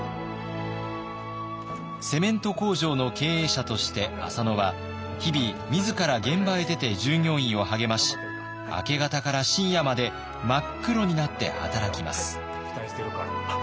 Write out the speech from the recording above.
セメント工場の経営者として浅野は日々自ら現場へ出て従業員を励まし明け方から深夜まで真っ黒になって働きます。